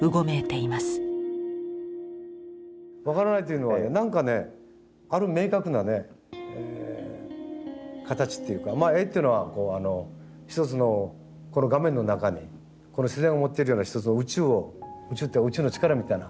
分からないというのはねなんかねある明確なねえ形っていうかまあ絵っていうのは一つのこの画面の中にこの自然を持ってるような一つの宇宙を宇宙って宇宙の力みたいな